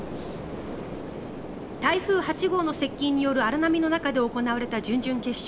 台風８号の接近による荒波の中で行われた準々決勝。